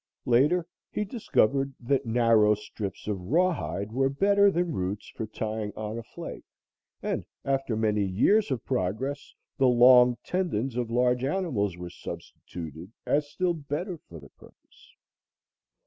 Later, he discovered that narrow strips of rawhide were better than roots for tying on a flake, and, after many years of progress, the long tendons of large animals were substituted as still better for the purpose.